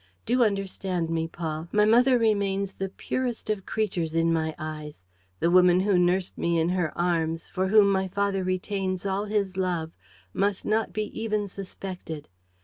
Do understand me, Paul. My mother remains the purest of creatures in my eyes. The woman who nursed me in her arms, for whom my father retains all his love, must not be even suspected.